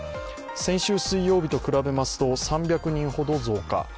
先週水曜日と比べますと３００人ほど増加。